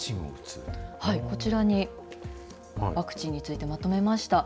こちらにワクチンについてまとめました。